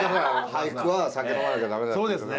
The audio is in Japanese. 俳句は酒飲まなきゃ駄目だよ。